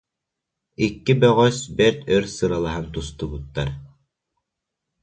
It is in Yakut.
Икки бөҕөс бэрт өр сыралаһан тустубуттар